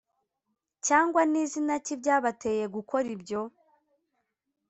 cyangwa ni zina ki byabateye gukora ibyo